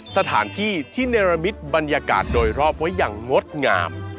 สถานที่ที่เนรมิตบรรยากาศโดยรอบไว้อย่างงดงาม